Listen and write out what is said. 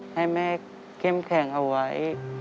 ให้แม่เข้มแข็งเอาไว้